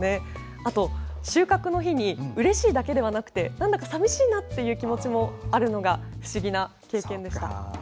あと、収穫の日にうれしいだけではなくてなんだか寂しいなという気持ちもあるのが不思議な経験でした。